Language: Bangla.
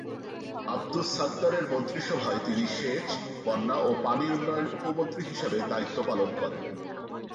আবদুস সাত্তারের মন্ত্রিসভায় তিনি সেচ, বন্যা ও পানি উন্নয়ন উপমন্ত্রী হিসেবে দায়িত্ব পালন করেন।